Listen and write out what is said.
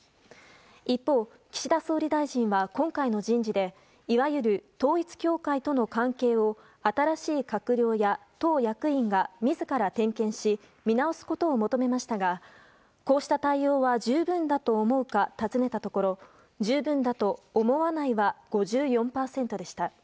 一方、岸田総理大臣は今回の人事でいわゆる統一教会との関係を新しい閣僚や党役員が自ら点検し見直すことを求めましたがこうした対応は十分かと思うか尋ねたところ十分だと思わないは５４％でした。